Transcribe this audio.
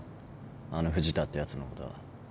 あの藤田ってやつのこと。